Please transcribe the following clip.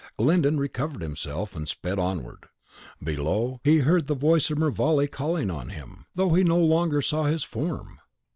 Glyndon recovered himself, and sped onward. Below, he heard the voice of Mervale calling on him, though he no longer saw his form.